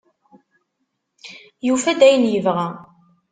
Yufa-d ayen yebɣa.